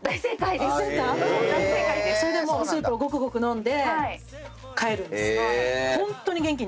それでもうスープをごくごく飲んで帰るんです。